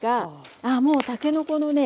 ああもうたけのこのね